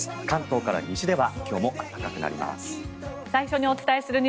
関東から西では今日も暖かくなります。